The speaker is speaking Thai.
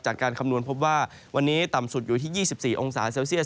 คำนวณพบว่าวันนี้ต่ำสุดอยู่ที่๒๔องศาเซลเซียส